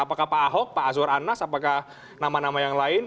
apakah pak ahok pak azwar anas apakah nama nama yang lain